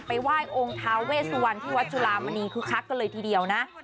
ไหว้องค์ท้าเวสวันที่วัดจุลามณีคึกคักกันเลยทีเดียวนะ